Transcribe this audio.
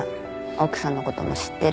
奥さんの事も知ってる。